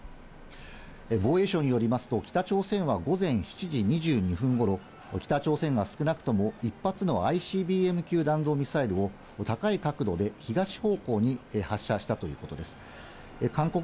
防衛省によりますと、北朝鮮は午前７時２２分頃、北朝鮮が少なくとも１発のＩＣＢＭ級弾道ミサイルを高い角度で東方向に発射したということです。